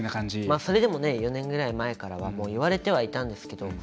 それでも、４年ぐらい前からは言われてはいたんですけど。